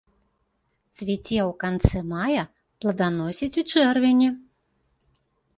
Цвіце ў канцы мая, пладаносіць у чэрвені.